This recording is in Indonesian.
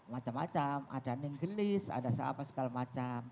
macam macam ada ninggelis ada apa segala macam